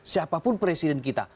siapapun presiden kita